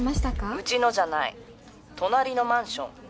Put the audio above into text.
うちのじゃない隣のマンション。